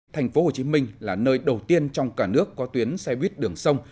thành phố hồ chí minh là nơi đầu tiên trong cả nước có tuyến xe buýt đường sông